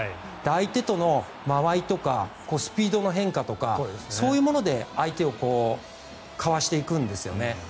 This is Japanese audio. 相手との間合いとかスピードの変化とかそういうもので相手をかわしていくんですよね。